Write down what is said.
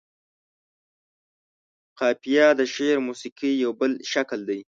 قافيه د شعر موسيقۍ يو بل شکل دى.